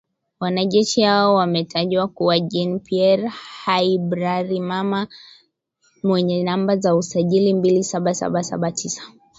Wanajeshi hao wametajwa kuwa Jean Pierre Habyarimana mwenye namba za usajili mbili saba saba saba tisa